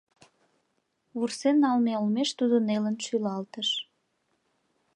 — Вурсен налме олмеш тудо нелын шӱлалтыш.